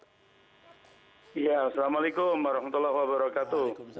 ya assalamualaikum warahmatullahi wabarakatuh